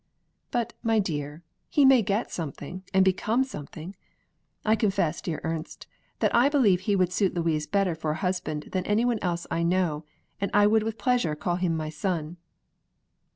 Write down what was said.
"But, my dear, he may get something and become something; I confess, dear Ernst, that I believe he would suit Louise better for a husband than any one else we know, and I would with pleasure call him my son."